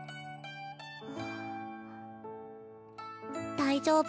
大丈夫。